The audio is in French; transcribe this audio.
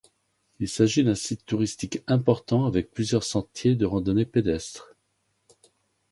Il s'agit d'un site touristique important avec plusieurs sentiers de randonnée pédestre.